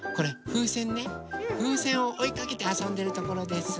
ふうせんをおいかけてあそんでるところです。